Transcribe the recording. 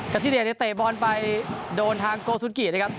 กัศธิเดียจะเตะบอลไปโดนทางโกสุนกินะครับ